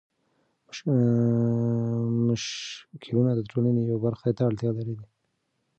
مشکلونه د ټولنې یوې برخې ته اړتيا لري.